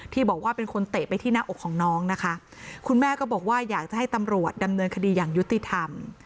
ที่บอกว่าเป็นคนเตะไปที่หน้าอกของน้องนะคะคุณแม่ก็บอกว่าอยากจะให้ตำรวจดำเนินคดีอย่างยุติธรรม